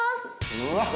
うわっ！